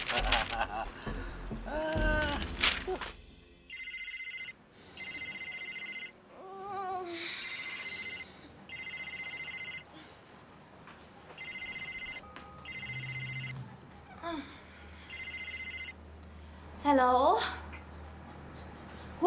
makanya baca dulu baca dulu